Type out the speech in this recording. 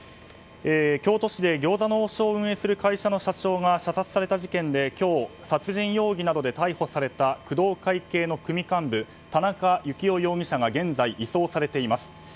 京都市で餃子の王将を運営する会社の社長が射殺された事件で今日、殺人容疑などで逮捕された工藤会系の組幹部田中幸雄容疑者が現在、移送されています。